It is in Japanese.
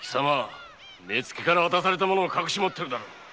目付から渡されたものを隠し持ってるだろう。